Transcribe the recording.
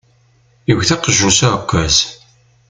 Yewet aqjun s uɛekkaz.